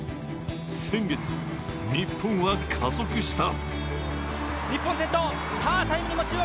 先月、日本は加速した。